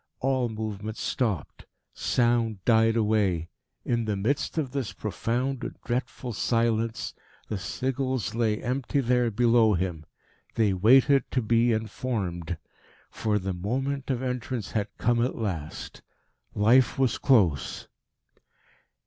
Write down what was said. All movement stopped. Sound died away. In the midst of this profound and dreadful silence the sigils lay empty there below him. They waited to be in formed. For the moment of entrance had come at last. Life was close.